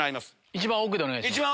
一番奥でお願いします。